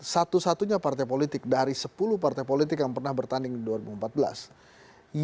satu satunya partai politik dari sepuluh partai politik yang pernah bertanding di dua ribu empat belas